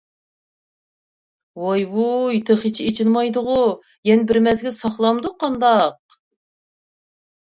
ۋاي-ۋۇي تېخىچە ئېچىلمايدىغۇ؟ يەنە بىر مەزگىل ساقلامدۇق قانداق؟